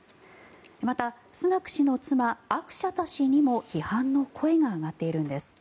また、スナク氏の妻アクシャタ氏にも批判の声が上がっているんです。